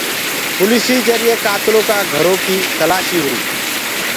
پوليسيٚ جرئي ڪآتلو ڪآ گھرو ڪيٚ تلآسيٚ هوُري۔